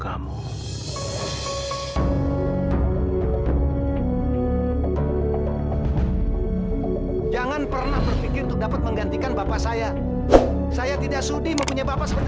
kamu jangan pernah berpikir untuk dapat menggantikan bapak saya saya tidak sudi mempunyai bapak seperti